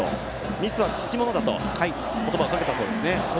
ミスはつきものだと言葉をかけたそうですね。